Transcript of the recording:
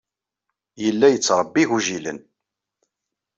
Yella yettṛebbi igujilen.